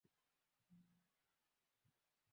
tetemeko kubwa la chini ya bahari maarufu kama sunami